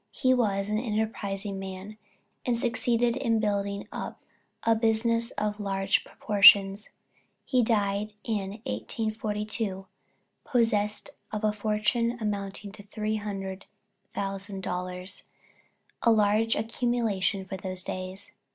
He was an enterprising man, and succeeded in building up a business of large proportions. He died in 1842, possessed of a fortune amounting to three hundred thousand dollars, a large accumulation for those days.